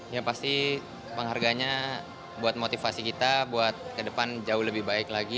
yang pasti pengharganya buat motivasi kita buat ke depan jauh lebih baik lagi